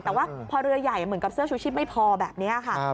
แต่ว่าพอเรือใหญ่เหมือนกับเสื้อชูชิปไม่พอแบบนี้ค่ะ